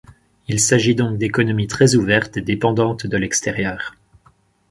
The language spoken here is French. Il s'agit donc d'économies très ouvertes et dépendantes de l'extérieur.